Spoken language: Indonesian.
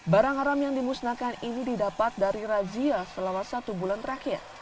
barang haram yang dimusnahkan ini didapat dari razia selama satu bulan terakhir